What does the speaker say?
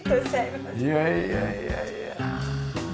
いやいやいやいや。